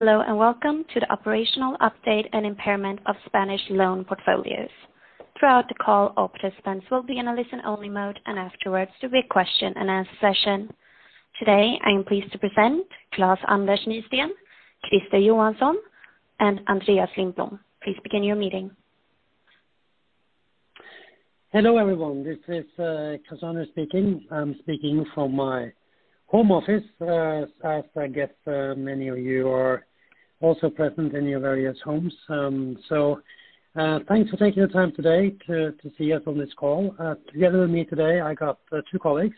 Hello, and welcome to the operational update and impairment of Spanish loan portfolios. Throughout the call, all participants will be in a listen-only mode, and afterwards there will be a question-and-answer session. Today, I am pleased to present Klaus-Anders Nysteen, Christer Johansson, and Andreas Lindblom. Please begin your meeting. Hello, everyone. This is Klaus-Anders speaking. I'm speaking from my home office, as I guess many of you are also present in your various homes. Thanks for taking the time today to see us on this call. Together with me today, I got two colleagues,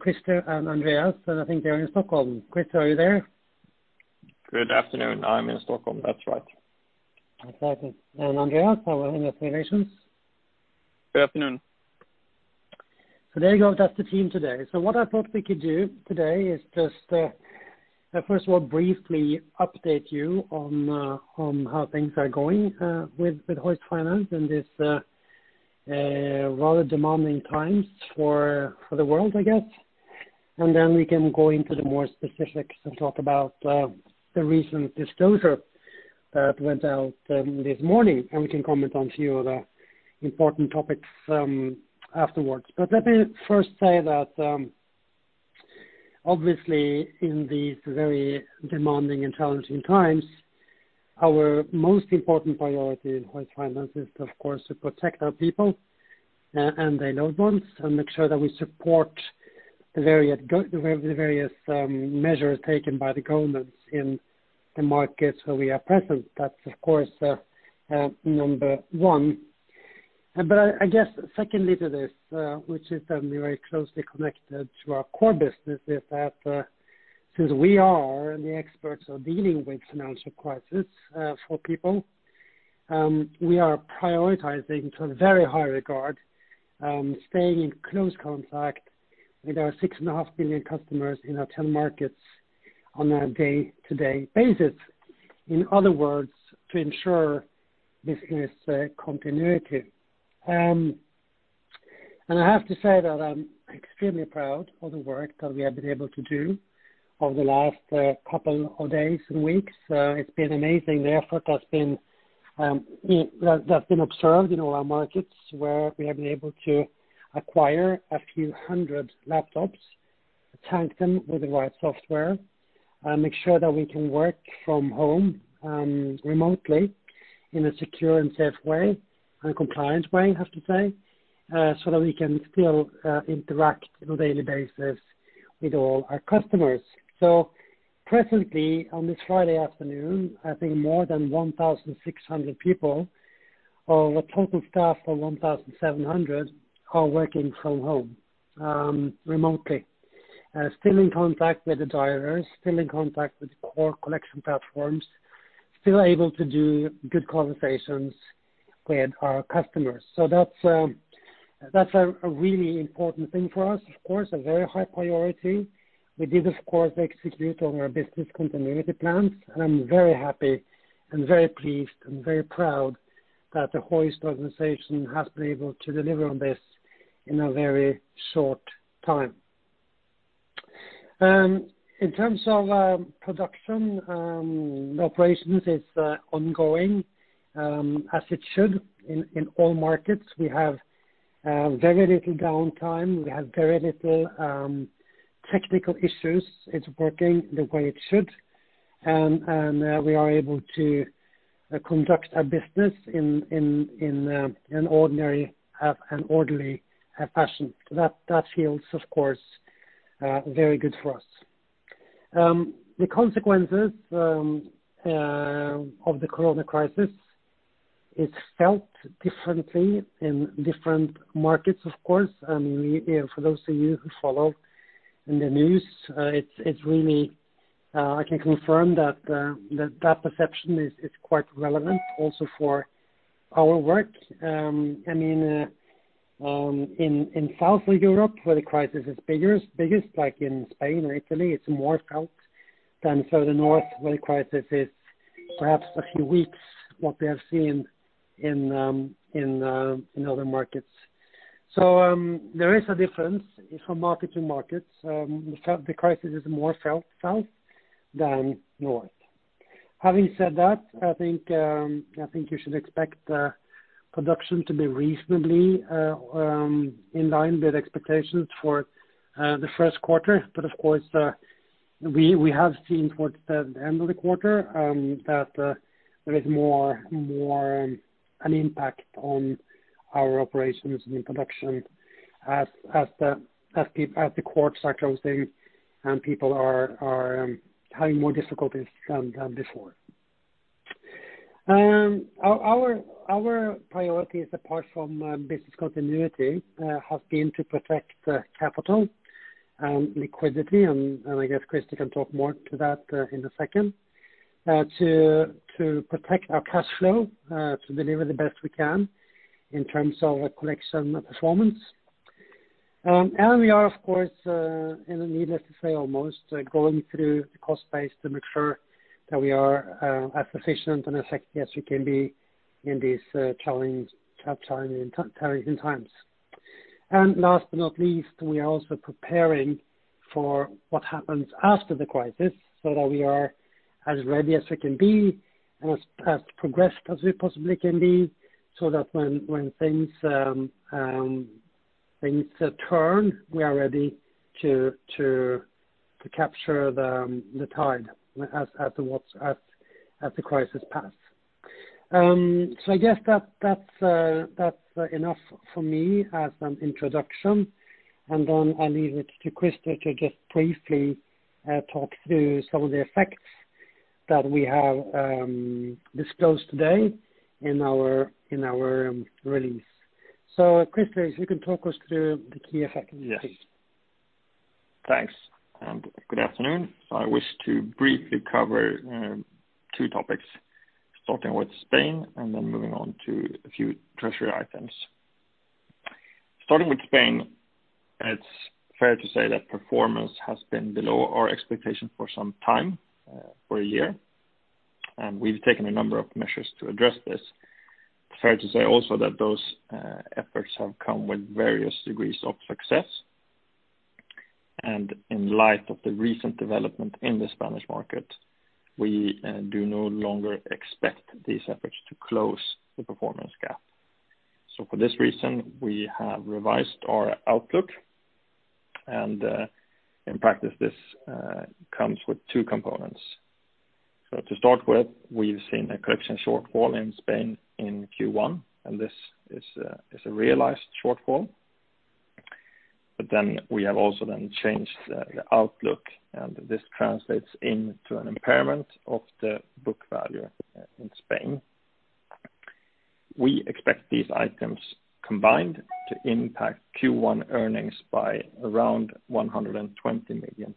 Christer and Andreas, and I think they're in Stockholm. Christer, are you there? Good afternoon. I'm in Stockholm. That's right. Exactly. Andreas, how are you? Any relations? Good afternoon. There you go. That's the team today. What I thought we could do today is just, first of all, briefly update you on how things are going with Hoist Finance in these rather demanding times for the world, I guess. Then we can go into the more specifics and talk about the recent disclosure that went out this morning, and we can comment on a few of the important topics afterwards. Let me first say that obviously in these very demanding and challenging times, our most important priority in Hoist Finance is, of course, to protect our people and their loved ones and make sure that we support the various measures taken by the governments in the markets where we are present. That's of course number one. I guess secondly to this, which is very closely connected to our core business, is that since we are the experts of dealing with financial crisis for people, we are prioritizing to a very high regard, staying in close contact with our 6.5 million customers in our 10 markets on a day-to-day basis. In other words, to ensure business continuity. I have to say that I'm extremely proud of the work that we have been able to do over the last couple of days and weeks. It's been amazing the effort that's been observed in all our markets where we have been able to acquire a few hundred laptops, tank them with the right software, and make sure that we can work from home remotely in a secure and safe way, and a compliant way, I have to say, so that we can still interact on a daily basis with all our customers. Presently, on this Friday afternoon, I think more than 1,600 people of a total staff of 1,700 are working from home remotely, still in contact with the dialers, still in contact with the core collection platforms, still able to do good conversations with our customers. That's a really important thing for us, of course, a very high priority. We did, of course, execute on our business continuity plans, and I'm very happy and very pleased and very proud that the Hoist organization has been able to deliver on this in a very short time. In terms of production, operations is ongoing, as it should in all markets. We have very little downtime. We have very little technical issues. It's working the way it should. We are able to conduct our business in an ordinary and orderly fashion. That feels, of course, very good for us. The consequences of the corona crisis is felt differently in different markets, of course. For those of you who follow in the news, I can confirm that that perception is quite relevant also for our work. In South Europe where the crisis is biggest, like in Spain or Italy, it's more felt than further north where the crisis is perhaps a few weeks, what we have seen in other markets. There is a difference from market to market. The crisis is more felt south than north. Having said that, I think you should expect production to be reasonably in line with expectations for the first quarter. Of course, we have seen towards the end of the quarter that there is more an impact on our operations and production as the courts are closing and people are having more difficulties than before. Our priorities, apart from business continuity, have been to protect capital and liquidity, and I guess Christer can talk more to that in a second, to protect our cash flow, to deliver the best we can in terms of collection performance. We are, of course, needless to say, almost, going through the cost base to make sure that we are as efficient and effective as we can be in these challenging times. Last but not least, we are also preparing for what happens after the crisis, so that we are as ready as we can be and as progressive as we possibly can be, so that when things turn, we are ready to capture the tide as the crisis pass. I guess that's enough from me as an introduction, and then I'll leave it to Christer to just briefly talk through some of the effects that we have disclosed today in our release. Christer, if you can talk us through the key effects. Yes. Thanks, and good afternoon. I wish to briefly cover two topics, starting with Spain and then moving on to a few treasury items. Starting with Spain, it's fair to say that performance has been below our expectation for some time, for a year. We've taken a number of measures to address this. Fair to say also that those efforts have come with various degrees of success. In light of the recent development in the Spanish market, we do no longer expect these efforts to close the performance gap. For this reason, we have revised our outlook, and in practice this comes with two components. To start with, we've seen a collection shortfall in Spain in Q1, and this is a realized shortfall. We have also then changed the outlook, and this translates into an impairment of the book value in Spain. We expect these items combined to impact Q1 earnings by around 120 million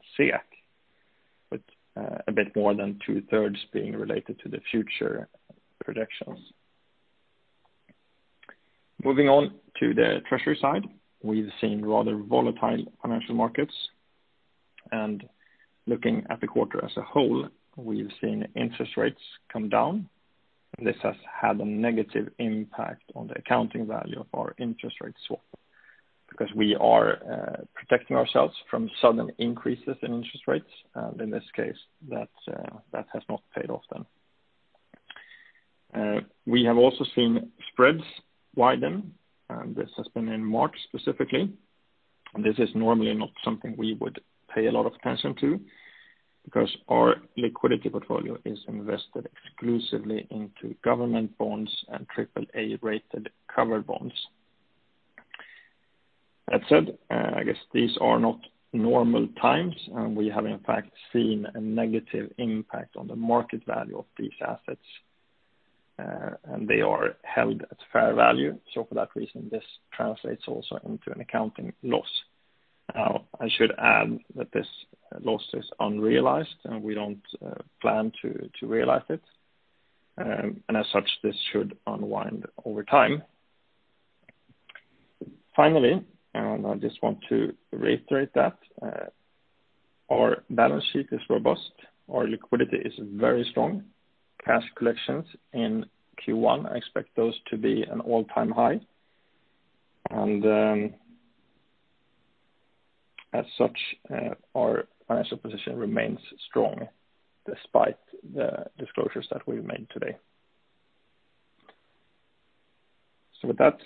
with a bit more than two-thirds being related to the future projections. Moving on to the treasury side, we've seen rather volatile financial markets. Looking at the quarter as a whole, we've seen interest rates come down. This has had a negative impact on the accounting value of our interest rate swap because we are protecting ourselves from sudden increases in interest rates. In this case, that has not paid off then. We have also seen spreads widen, and this has been in March specifically. This is normally not something we would pay a lot of attention to because our liquidity portfolio is invested exclusively into government bonds and triple-A rated covered bonds. I guess these are not normal times, and we have in fact seen a negative impact on the market value of these assets. They are held at fair value. For that reason, this translates also into an accounting loss. I should add that this loss is unrealized, and we don't plan to realize it. As such, this should unwind over time. I just want to reiterate that our balance sheet is robust. Our liquidity is very strong. Cash collections in Q1, I expect those to be an all-time high. As such, our financial position remains strong despite the disclosures that we've made today. With that,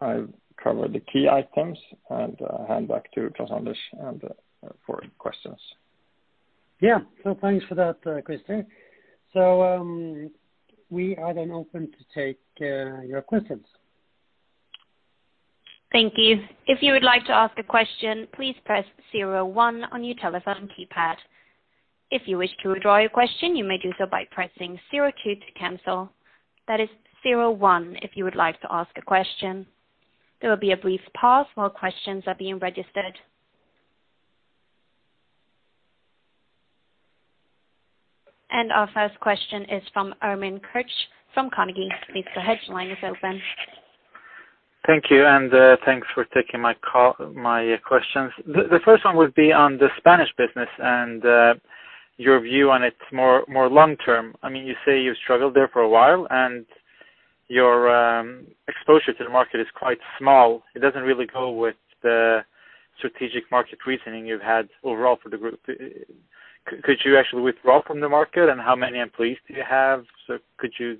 I've covered the key items and hand back to Klaus-Anders for questions. Yeah. Thanks for that, Christer. We are then open to take your questions. Thank you. If you would like to ask a question, please press zero one on your telephone keypad. If you wish to withdraw your question, you may do so by pressing zero two to cancel. That is zero one if you would like to ask a question. There will be a brief pause while questions are being registered. And our first question is from Ermin Keric from Carnegie. Please go ahead, your line is open. Thank you. Thanks for taking my questions. The first one would be on the Spanish business and your view on it more long term. You say you've struggled there for a while, and your exposure to the market is quite small. It doesn't really go with the strategic market reasoning you've had overall for the group. Could you actually withdraw from the market, and how many employees do you have? Could you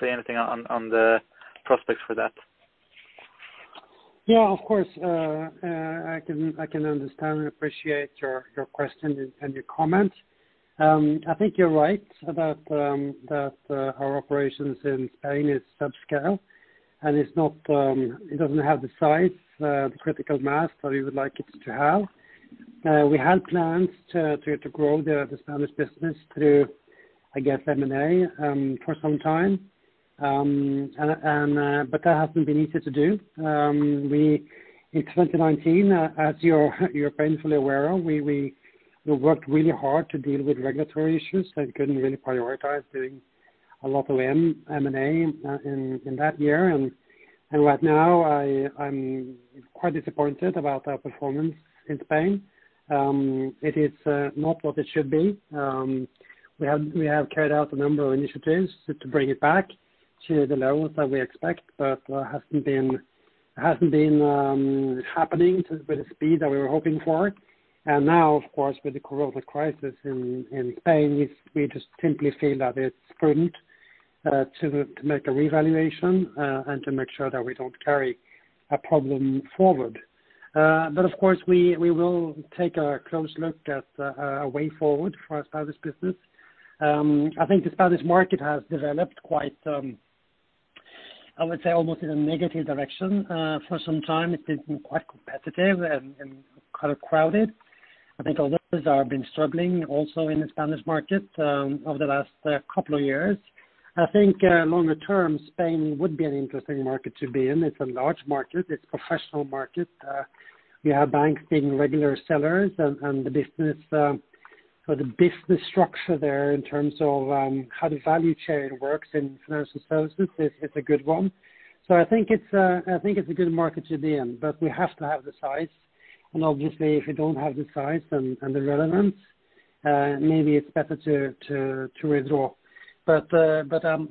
say anything on the prospects for that? Yeah, of course. I can understand and appreciate your question and your comment. I think you're right about that our operations in Spain is subscale, and it doesn't have the size, the critical mass that we would like it to have. We had plans to grow the Spanish business through, I guess M&A for some time. That hasn't been easy to do. In 2019, as you're painfully aware of, we worked really hard to deal with regulatory issues and couldn't really prioritize doing a lot of M&A in that year. Right now, I'm quite disappointed about our performance in Spain. It is not what it should be. We have carried out a number of initiatives to bring it back to the lows that we expect, but hasn't been happening with the speed that we were hoping for. Now, of course, with the COVID crisis in Spain, we just simply feel that it's prudent to make a revaluation and to make sure that we don't carry a problem forward. Of course, we will take a close look at a way forward for our Spanish business. I think the Spanish market has developed quite, I would say, almost in a negative direction. For some time it's been quite competitive and kind of crowded. I think others have been struggling also in the Spanish market, over the last couple of years. I think longer term, Spain would be an interesting market to be in. It's a large market. It's professional market. We have banks being regular sellers and the business structure there in terms of how the value chain works in financial services is a good one. I think it's a good market to be in. We have to have the size, and obviously if we don't have the size and the relevance, maybe it's better to withdraw. I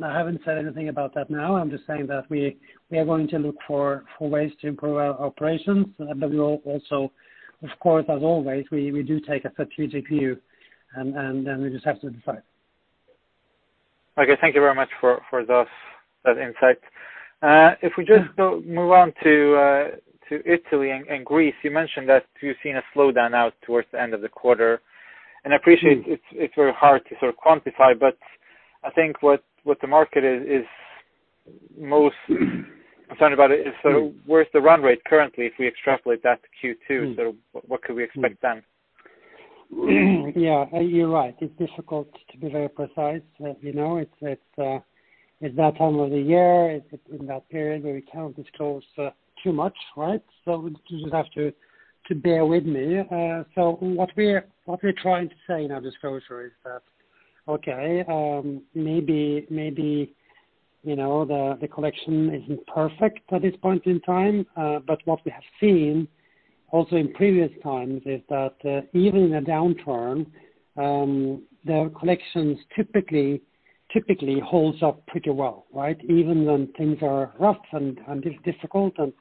haven't said anything about that now. I'm just saying that we are going to look for ways to improve our operations. We will also, of course, as always, we do take a strategic view, and then we just have to decide. Okay. Thank you very much for that insight. If we just move on to Italy and Greece, you mentioned that you've seen a slowdown now towards the end of the quarter, and I appreciate it's very hard to sort of quantify, but I think what the market is most concerned about is sort of where's the run rate currently, if we extrapolate that to Q2, so what could we expect then? Yeah, you're right. It's difficult to be very precise. It's that time of the year in that period where we can't disclose too much, right? You just have to bear with me. What we're trying to say in our disclosure is that, okay, maybe the collection isn't perfect at this point in time. What we have seen also in previous times is that even in a downturn, the collections typically holds up pretty well, right? Even when things are rough and difficult and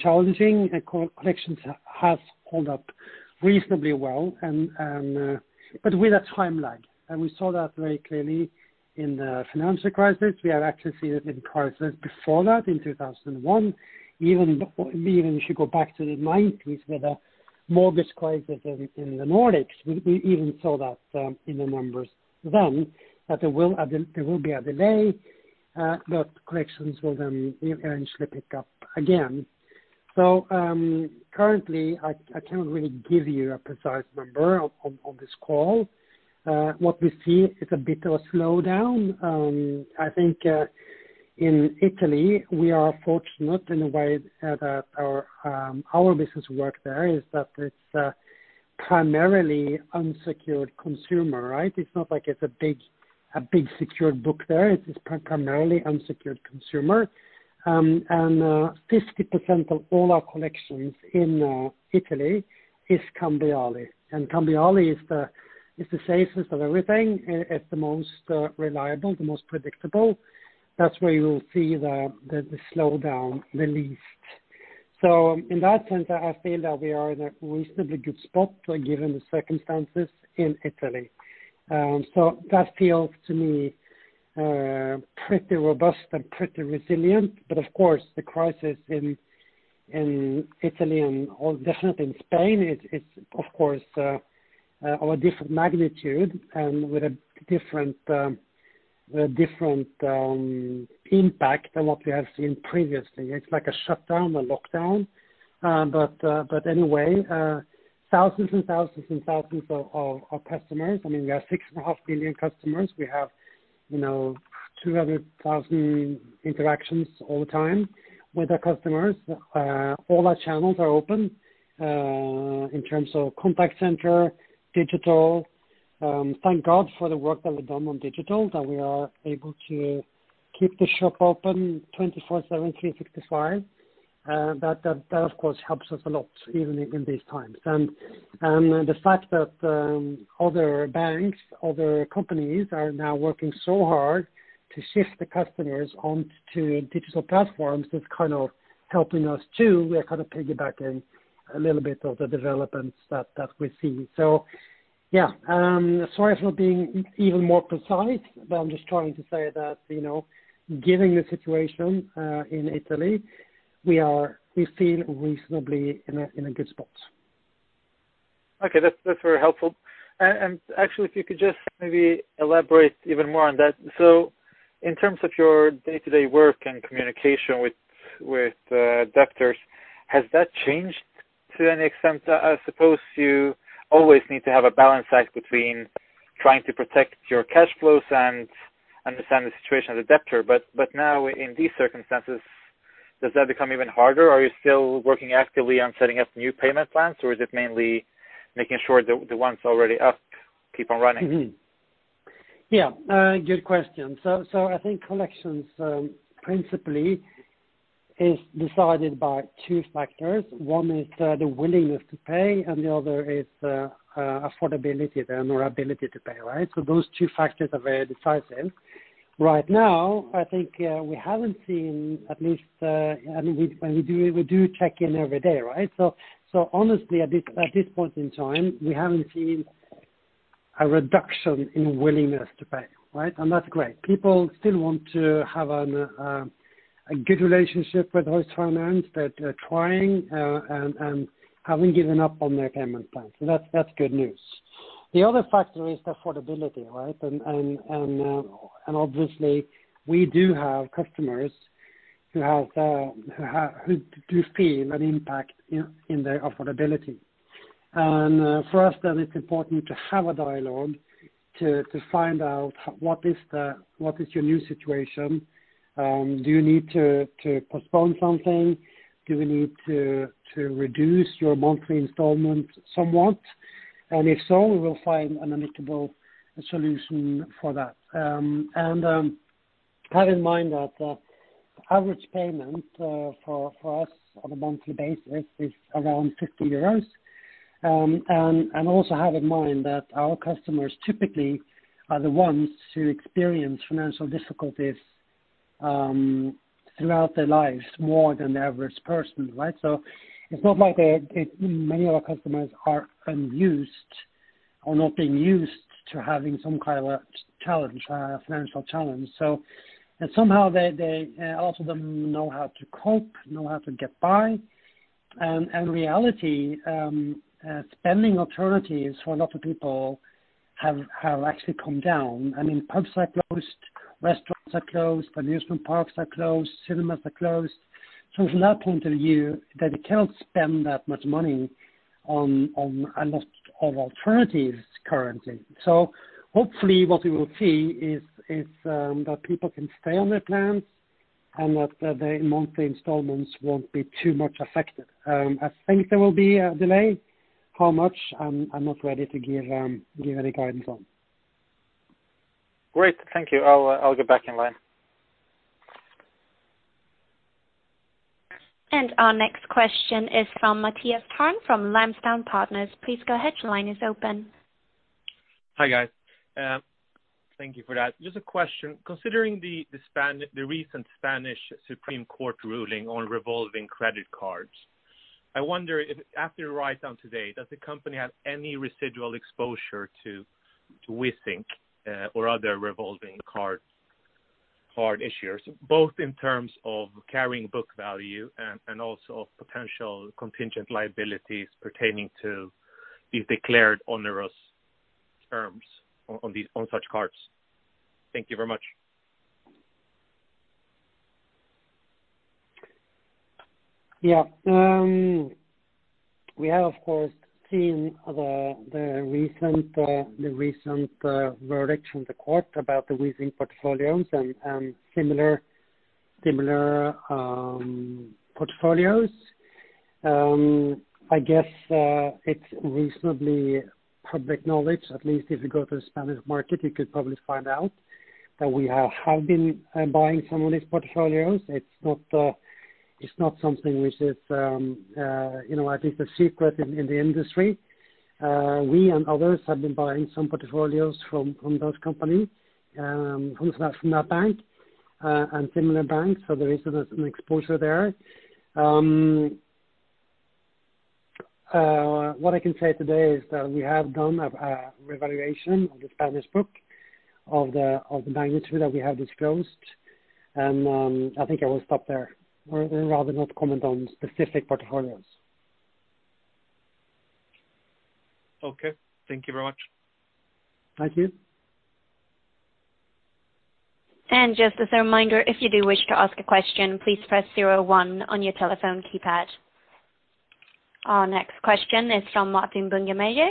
challenging, the collections has held up reasonably well, but with a time lag. We saw that very clearly in the financial crisis. We have actually seen it in crisis before that in 2001. Even if you go back to the 1990s with the mortgage crisis in the Nordics. We even saw that in the numbers then that there will be a delay, but collections will then eventually pick up again. Currently I cannot really give you a precise number on this call. What we see is a bit of a slowdown. I think in Italy we are fortunate in the way that our business work there is that it's primarily unsecured consumer, right? It's not like it's a big secured book there. It is primarily unsecured consumer. 50% of all our collections in Italy is cambiali. Cambiali is the safest of everything. It's the most reliable, the most predictable. That's where you will see the slowdown the least. In that sense, I feel that we are in a reasonably good spot given the circumstances in Italy. That feels to me pretty robust and pretty resilient. Of course, the crisis in Italy and definitely in Spain is of course of a different magnitude and with a different impact than what we have seen previously. It's like a shutdown, a lockdown. Anyway, thousands and thousands, and thousands of our customers, I mean, we have 6.5 million customers. We have 200,000 interactions all the time with our customers. All our channels are open, in terms of contact center, digital. Thank God for the work that we've done on digital, that we are able to keep the shop open 24/7, 365. That of course helps us a lot, even in these times. The fact that other banks, other companies are now working so hard to shift the customers onto digital platforms, it's kind of helping us too. We are kind of piggybacking a little bit of the developments that we see. Yeah. Sorry for not being even more precise, but I'm just trying to say that, given the situation in Italy, we feel reasonably in a good spot. Okay, that's very helpful. Actually, if you could just maybe elaborate even more on that. In terms of your day-to-day work and communication with debtors, has that changed to any extent? I suppose you always need to have a balance act between trying to protect your cash flows and understand the situation of the debtor. Now in these circumstances, does that become even harder? Are you still working actively on setting up new payment plans, or is it mainly making sure the ones already up keep on running? Good question. I think collections principally is decided by two factors. One is the willingness to pay, and the other is affordability then, or ability to pay, right? Those two factors are very decisive. Right now, I think we haven't seen, at least We do check in every day, right? Honestly, at this point in time, we haven't seen a reduction in willingness to pay, right? That's great. People still want to have a good relationship with Hoist Finance. They're trying and haven't given up on their payment plan. That's good news. The other factor is affordability, right? Obviously, we do have customers who do feel an impact in their affordability. For us then, it's important to have a dialogue to find out what is your new situation. Do you need to postpone something? Do we need to reduce your monthly installment somewhat? If so, we will find an amicable solution for that. Have in mind that the average payment for us on a monthly basis is around 50 euros. Also have in mind that our customers typically are the ones who experience financial difficulties throughout their lives, more than the average person, right? It's not like many of our customers are unused or not been used to having some kind of a financial challenge. Somehow a lot of them know how to cope, know how to get by. In reality spending alternatives for a lot of people have actually come down. Pubs are closed, restaurants are closed, amusement parks are closed, cinemas are closed. From that point of view, they cannot spend that much money on a lot of alternatives currently. Hopefully what we will see is that people can stay on their plans and that their monthly installments won't be too much affected. I think there will be a delay. How much, I'm not ready to give any guidance on. Great. Thank you. I'll get back in line. Our next question is from Mattias Thärn from Lansdowne Partners. Please go ahead. Your line is open. Hi, guys. Thank you for that. Just a question. Considering the recent Spanish Supreme Court ruling on revolving credit cards, I wonder if after write-down today, does the company have any residual exposure to WiZink or other revolving card issuers? Both in terms of carrying book value and also potential contingent liabilities pertaining to these declared onerous terms on such cards. Thank you very much. We have, of course, seen the recent verdict from the court about the WiZink portfolios and similar portfolios. I guess it's reasonably public knowledge. At least if you go to the Spanish market, you could probably find out that we have been buying some of these portfolios. It's not something which is, I think, a secret in the industry. We and others have been buying some portfolios from those companies, from that bank, and similar banks. There is an exposure there. What I can say today is that we have done a revaluation of the Spanish book of the magnitude that we have disclosed. I think I will stop there. I'd rather not comment on specific portfolios. Okay. Thank you very much. Thank you. Just as a reminder, if you do wish to ask a question, please press zero one on your telephone keypad. Our next question is from Martin Bungemeyer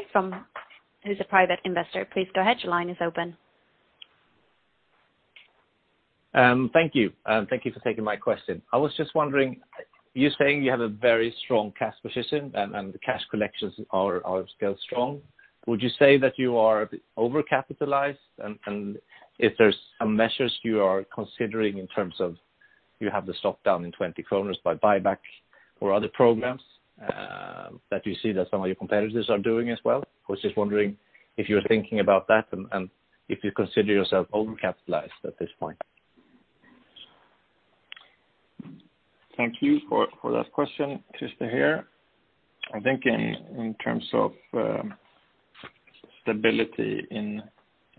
who's a private investor. Please go ahead. Your line is open. Thank you. Thank you for taking my question. I was just wondering, you're saying you have a very strong cash position and the cash collections are still strong. Would you say that you are over-capitalized? If there's some measures you are considering in terms of you have the stock down in 20 kronor by buyback or other programs that you see that some of your competitors are doing as well. I was just wondering if you're thinking about that and if you consider yourself over-capitalized at this point. Thank you for that question. Christer here. I think in terms of stability in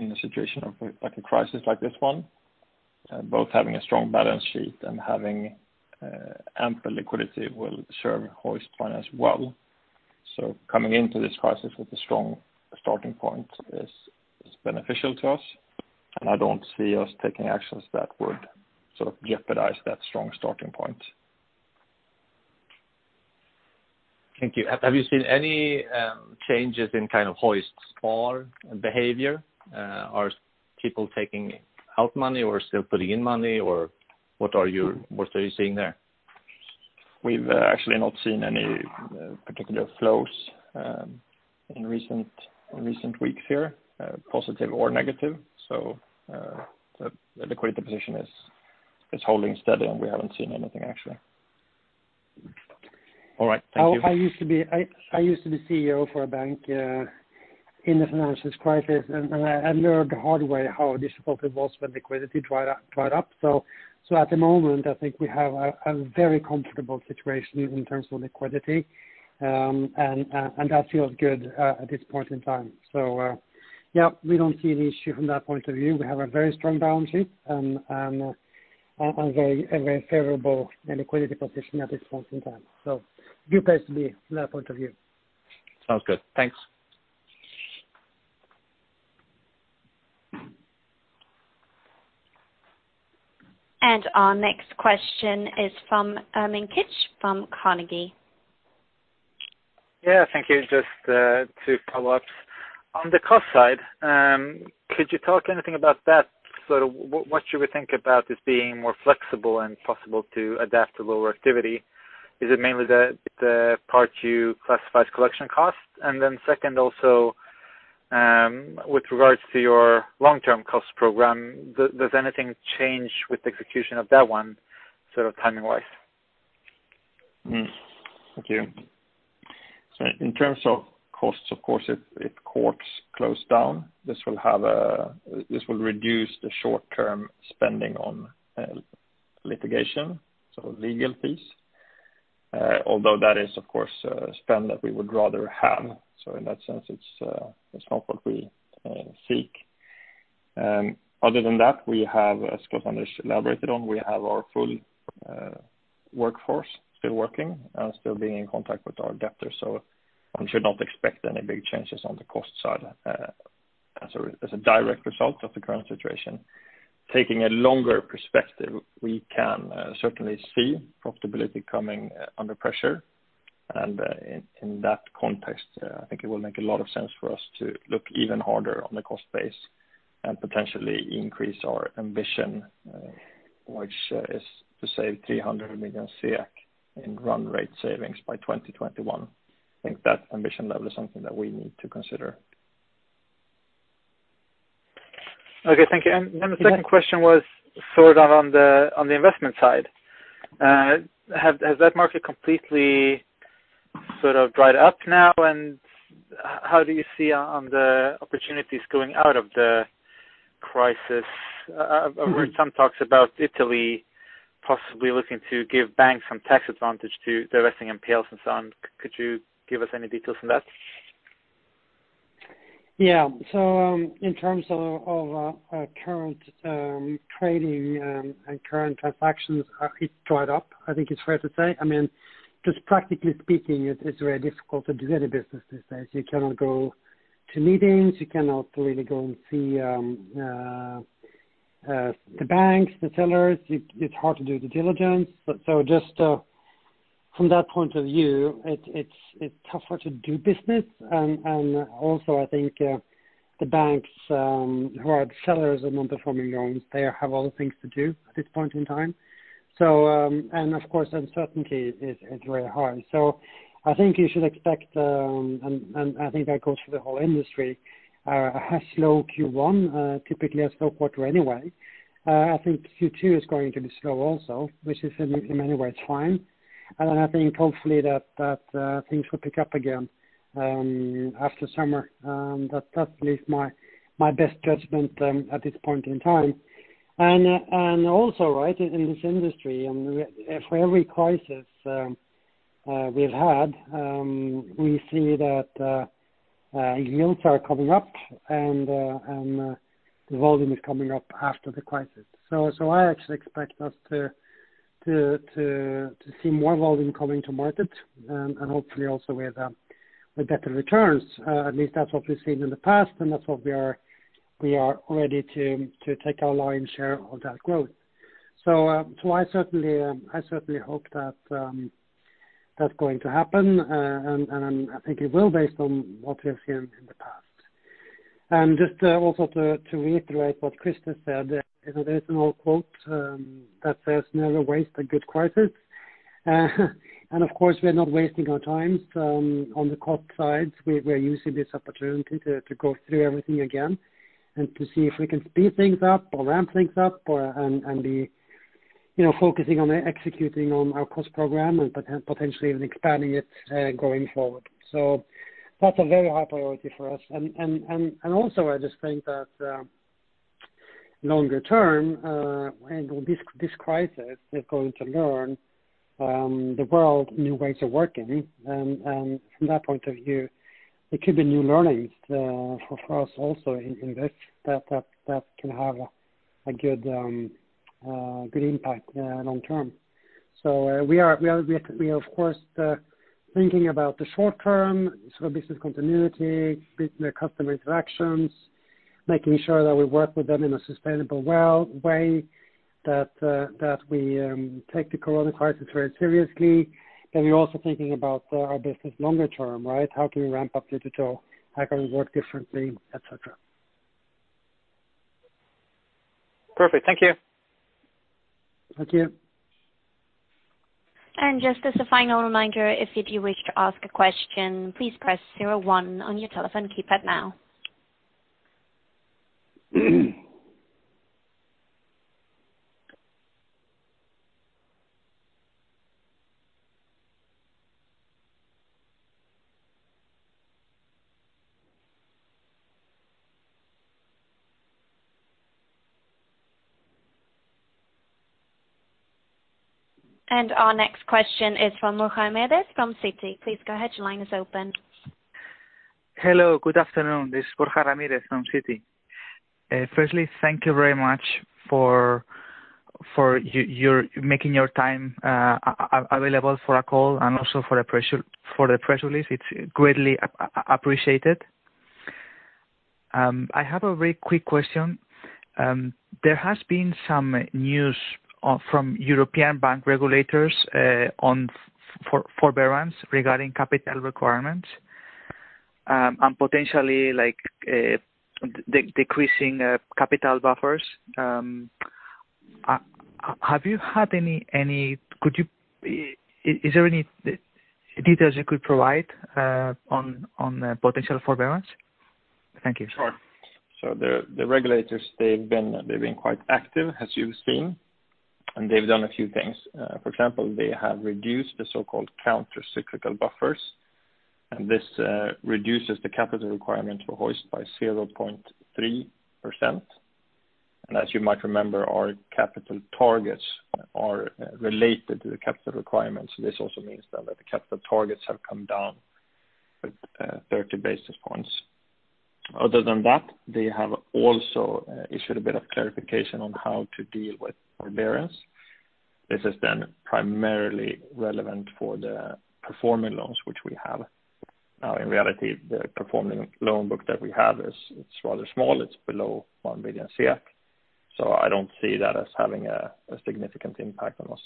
a situation of a crisis like this one, both having a strong balance sheet and having ample liquidity will serve Hoist Finance well. Coming into this crisis with a strong starting point is beneficial to us, and I don't see us taking actions that would jeopardize that strong starting point. Thank you. Have you seen any changes in kind of HoistSpar behavior? Are people taking out money or still putting in money, or what are you seeing there? We've actually not seen any particular flows in recent weeks here, positive or negative. The liquidity position is holding steady, and we haven't seen anything, actually. All right. Thank you. I used to be CEO for a bank in the financial crisis, and I learned the hard way how difficult it was when liquidity dried up. At the moment, I think we have a very comfortable situation in terms of liquidity, and that feels good at this point in time. Yeah, we don't see an issue from that point of view. We have a very strong balance sheet, and a very favorable liquidity position at this point in time. We are best from that point of view. Sounds good. Thanks. Our next question is from Ermin Keric, from Carnegie. Yeah. Thank you. Just to follow up. On the cost side, could you talk anything about that? What should we think about as being more flexible and possible to adapt to lower activity? Is it mainly the part you classify as collection costs? Second, also, with regards to your long-term cost program, does anything change with the execution of that one, timing-wise? Thank you. In terms of costs, of course, if courts close down, this will reduce the short-term spending on litigation, so legal fees. Although that is, of course, spend that we would rather have. In that sense, it's not what we seek. Other than that, as Klaus-Anders elaborated on, we have our full workforce still working and still being in contact with our debtors. One should not expect any big changes on the cost side as a direct result of the current situation. Taking a longer perspective, we can certainly see profitability coming under pressure. In that context, I think it will make a lot of sense for us to look even harder on the cost base and potentially increase our ambition, which is to save 300 million in run rate savings by 2021. I think that ambition level is something that we need to consider. Okay. Thank you. The second question was sort of on the investment side. Has that market completely sort of dried up now? How do you see on the opportunities going out of the crisis? I've heard some talks about Italy possibly looking to give banks some tax advantage to investing in NPLs and so on. Could you give us any details on that? In terms of current trading and current transactions, it dried up, I think it's fair to say. Just practically speaking, it's very difficult to do any business these days. You cannot go to meetings. You cannot really go and see the banks, the sellers. It's hard to do due diligence. Just from that point of view, it's tougher to do business. Also, I think the banks who are sellers of non-performing loans, they have other things to do at this point in time. Of course, uncertainty is very high. I think you should expect, and I think that goes for the whole industry, a slow Q1, typically a slow quarter anyway. I think Q2 is going to be slow also, which is in many ways fine. Then I think hopefully that things will pick up again after summer. That's at least my best judgment at this point in time. Also, right, in this industry, and for every crisis we've had, we see that yields are coming up, and the volume is coming up after the crisis. I actually expect us to see more volume coming to market, and hopefully also with better returns. At least that's what we've seen in the past, and that's what we are ready to take our lion's share of that growth. I certainly hope that's going to happen, and I think it will based on what we have seen in the past. Just also to reiterate what Christer said, there's an old quote that says, Never waste a good crisis. Of course, we're not wasting our time on the cost side. We're using this opportunity to go through everything again and to see if we can speed things up or ramp things up and be focusing on executing on our cost program and potentially even expanding it going forward. That's a very high priority for us. Also, I just think that longer term, this crisis is going to learn the world new ways of working. From that point of view, there could be new learnings for us also in this that can have a good impact long term. We are of course, thinking about the short term, so business continuity, customer interactions, making sure that we work with them in a sustainable way, that we take the corona crisis very seriously. We're also thinking about our business longer term, right? How can we ramp up digital? How can we work differently, et cetera? Perfect. Thank you. Thank you. Just as a final reminder, if you wish to ask a question, please press zero one on your telephone keypad now. Our next question is from Borja Ramirez from Citi. Please go ahead. Your line is open. Hello. Good afternoon. This is Borja Ramirez from Citi. Thank you very much for making your time available for a call and also for the press release. It's greatly appreciated. I have a very quick question. There has been some news from European Bank regulators on forbearance regarding capital requirements, and potentially decreasing capital buffers. Is there any details you could provide on the potential forbearance? Thank you. Sure. The regulators, they've been quite active, as you've seen, and they've done a few things. For example, they have reduced the so-called counter-cyclical buffers, and this reduces the capital requirement for Hoist by 0.3%. As you might remember, our capital targets are related to the capital requirements. This also means then that the capital targets have come down 30 basis points. Other than that, they have also issued a bit of clarification on how to deal with forbearance. This is then primarily relevant for the performing loans which we have. Now, in reality, the performing loan book that we have is rather small. It's below 1 billion SEK. I don't see that as having a significant impact on us.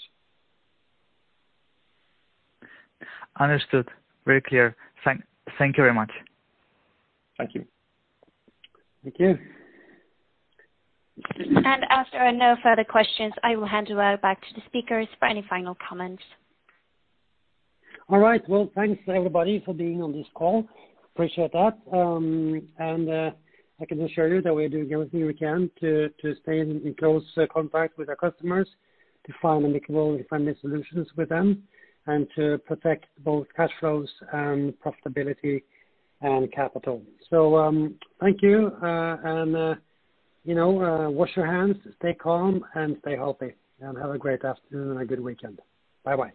Understood. Very clear. Thank you very much. Thank you. Thank you. After no further questions, I will hand it back to the speakers for any final comments. All right, well, thanks everybody for being on this call. Appreciate that. I can assure you that we are doing everything we can to stay in close contact with our customers, to find amicable solutions with them, and to protect both cash flows and profitability and capital. Thank you. Wash your hands, stay calm, and stay healthy, and have a great afternoon and a good weekend. Bye-bye.